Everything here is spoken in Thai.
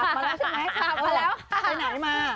กลับมาแล้วใช่ไหมไปไหนมา